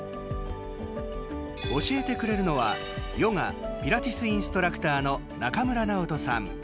教えてくれるのはヨガ・ピラティスインストラクターの中村尚人さん。